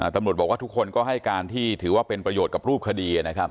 ตำรวจบอกว่าทุกคนก็ให้การที่ถือว่าเป็นประโยชน์กับรูปคดีนะครับ